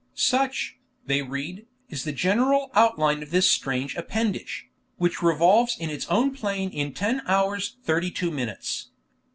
Such, they read, is the general outline of this strange appendage, which revolves in its own plane in 10 hours 32 minutes.